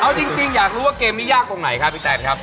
เอาจริงอยากรู้ว่าเกมนี้ยากตรงไหนครับพี่แตนครับ